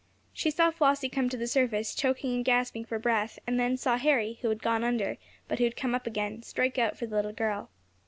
She saw Flossie come to the surface, choking and gasping for breath, and then saw Harry, who had gone under, but who had come up again, strike out for the little girl.